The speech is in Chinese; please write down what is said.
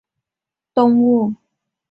单蛙蛭为舌蛭科蛙蛭属的动物。